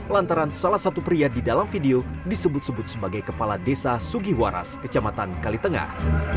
lantaran salah satu pria di dalam video disebut sebut sebagai kepala desa sugiwaras kecamatan kalitengah